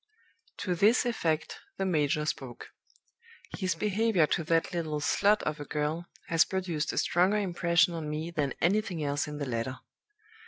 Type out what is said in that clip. "To this effect the major spoke. His behavior to that little slut of a girl has produced a stronger impression on me than anything else in the letter.